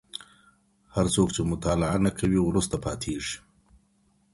هر څوک چي مطالعه نه کوي وروسته پاتې کيږي.